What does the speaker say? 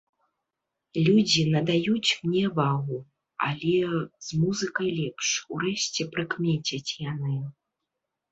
Людзі надаюць мне вагу, але з музыкай лепш, урэшце прыкмецяць яны.